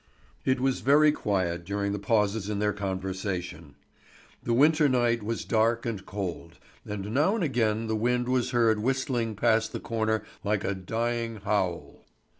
It was very quiet during the pauses in their conversation. The winter night was dark and cold, and now and again the wind was heard whistling past the corner like a dying howl.